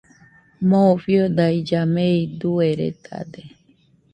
Moo fiodailla mei dueredade